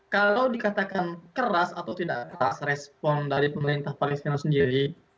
kalau dikatakan keras atau tidak keras respon dari pemerintah palestina sendiri